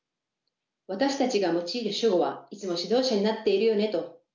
私たちが用いる主語はいつも指導者になっているよねと。